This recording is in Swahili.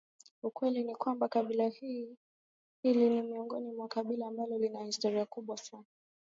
Ukweli ni kwamba kabila hili ni miongoni mwa kabila ambalo lina historia kubwa sana